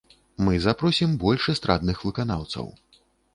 Мы запросім больш эстрадных выканаўцаў.